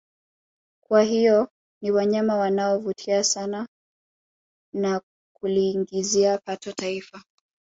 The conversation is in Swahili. Kwa hiyo ni wanyama wanao vutia sana na kuliingizia pato taifa